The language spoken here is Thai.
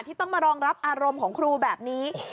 ที่ต้องมารองรับอารมณ์ของครูแบบนี้